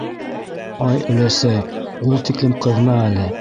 — Ай, өләсәй, ул тиклем ҡыҙма әле.